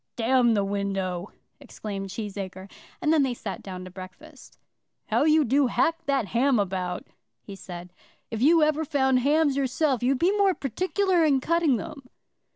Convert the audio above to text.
"D the window," exclaimed Cheesacre, and then they sat down to breakfast. "How you do hack that ham about," he said. "If you ever found hams yourself you'd be more particular in cutting them."